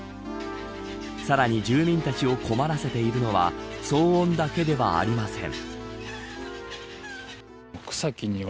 さらに、住民たちを困らせているのは騒音だけではありません。